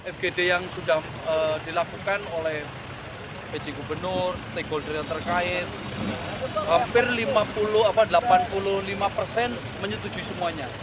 fgd yang sudah dilakukan oleh pj gubernur stakeholder yang terkait hampir delapan puluh lima persen menyetujui semuanya